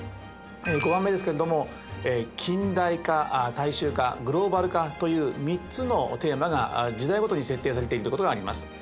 ５番目ですけれども近代化大衆化グローバル化という３つのテーマが時代ごとに設定されているということがあります。